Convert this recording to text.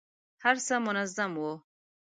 هر څه منظم وو.